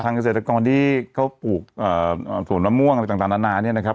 เกษตรกรที่เขาปลูกสวนมะม่วงอะไรต่างนานาเนี่ยนะครับ